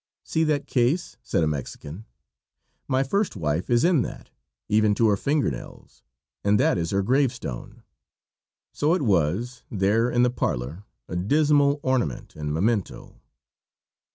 "See that case?" said a Mexican. "My first wife is in that, even to her fingernails, and that is her grave stone." So it was, there in the parlor, a dismal ornament and memento.